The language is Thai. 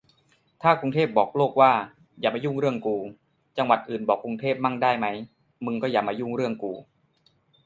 ถ้ากรุงเทพบอกโลกว่า อย่ามายุ่งเรื่องกู จังหวัดอื่นบอกกรุงเทพมั่งได้ไหม มึงก็อย่ามายุ่งเรื่องกู